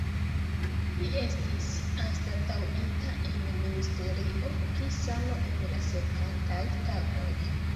Li estis anstataŭita en Ministerio pri sano en la sekvantaj tagoj.